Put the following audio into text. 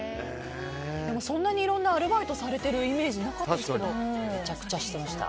そんなに、いろんなアルバイトされているイメージはめちゃくちゃしてました。